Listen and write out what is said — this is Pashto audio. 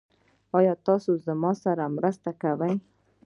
ایا تاسو زما سره مرسته کوئ؟